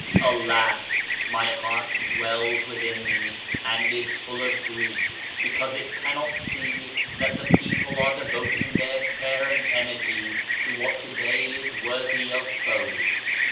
Alasl my heart swells within me and is full of grief, because it cannot see that the people are devoting their care and energy to what today is worthy of both.